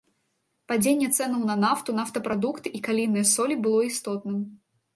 Падзенне цэнаў на нафту, нафтапрадукты і калійныя солі было істотным.